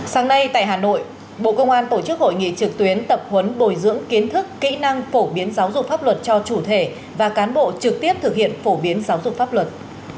sáng nay tại hà nội bộ công an tổ chức hội nghị trực tuyến tập huấn bồi dưỡng kiến thức kỹ năng phổ biến giáo dục pháp luật cho chủ thể và cán bộ trực tiếp thực hiện phổ biến giáo dục pháp luật